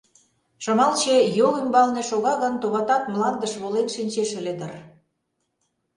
— Шымалче йол ӱмбалне шога гын, товатат, мландыш волен шинчеш ыле дыр.